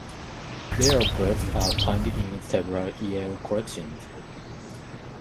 Rare books are found in several Yale collections.